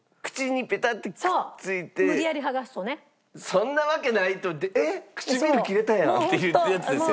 そんなわけないと思ってえっ唇切れたやんっていうやつですよね。